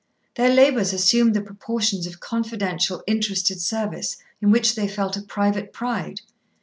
Their labours assumed the proportions of confidential interested service, in which they felt a private pride.